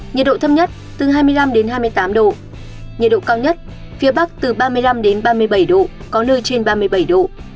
nhiệt độ thấp nhất từ hai mươi năm hai mươi tám độ nhiệt độ cao nhất phía bắc từ ba mươi năm ba mươi bảy độ có nơi trên ba mươi bảy độ